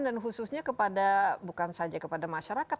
dan khususnya kepada bukan saja kepada masyarakat